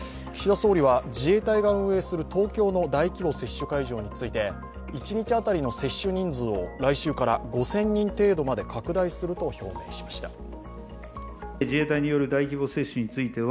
岸田総理は自衛隊が運営する東京の大規模接種センターについて一日当たりの接種人数を来週から５０００人程度まで拡大すると表明しました。